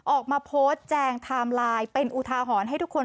ออกมาโพสต์แจงไทม์ไลน์เป็นอุทาหรณ์ให้ทุกคน